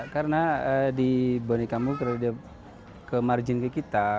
karena di bonekamu karena ke margin kita